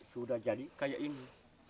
sudah jadi kayak ini